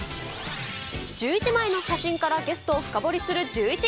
１１枚の写真からゲストを深掘りするジューイチ。